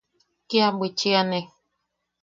¡Kia bwichiane!